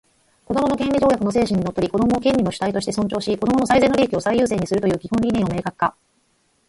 「子どもの権利条約」の精神にのっとり、子供を権利の主体として尊重し、子供の最善の利益を最優先にするという基本理念を明確化